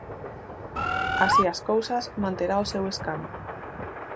Así as cousas, manterá o seu escano.